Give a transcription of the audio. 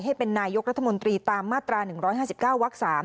ให้เป็นนายกรัฐมนตรีตามมาตรา๑๕๙วัก๓